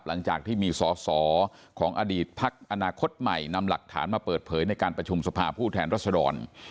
หลังจากที่มีสอสอของอดีตพักอนาคตใหม่นำหลักฐานมาเปิดเผยในการประชุมสภาผู้แทนรัศดร